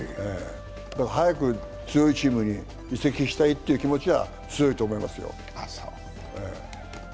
早く強いチームに移籍したいという気持ちは強いと思いますよ。